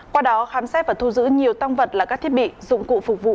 qua đó khám xét và thu giữ nhiều tăng vật là các thiết bị dụng cụ phục vụ